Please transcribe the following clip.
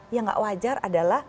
yang enggak wajar adalah